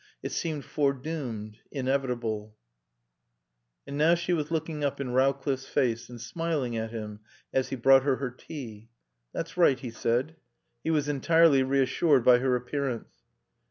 It seemed foredoomed, inevitable. And now she was looking up in Rowcliffe's face and smiling at him as he brought her her tea. "That's right," he said. He was entirely reassured by her appearance.